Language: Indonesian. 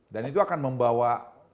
dan itu akan membawa